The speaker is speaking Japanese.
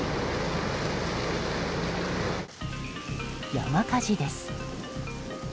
山火事です。